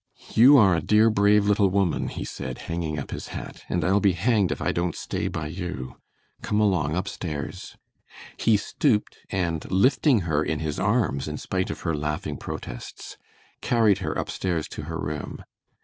"You are a dear, brave little woman," he said, hanging up his hat, "and I'll be hanged if I don't stay by you. Come along upstairs." He stooped, and lifting her in his arms in spite of her laughing protests, carried her upstairs to her room.